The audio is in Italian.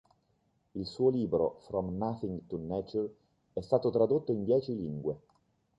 Il suo libro "From Nothing to Nature" è stato tradotto in dieci lingue.